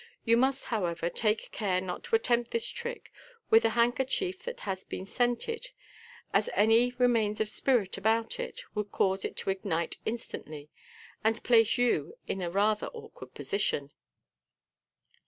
You must, however, take care not to attempt this trick with a hand kerchief which has been scented, as any remains of spirit about it would cause it to ignite instantly, and place you in a rather awkward position.